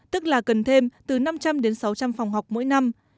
tức là cần thêm từ năm trăm linh đến sáu trăm linh phòng học mỗi năm